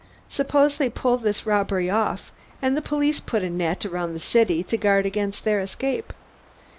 Suppose they pull this robbery off and the police put a net around the city to guard against their escape.